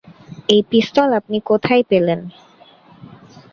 এই পিস্তল আপনি কোথায় পেলেন?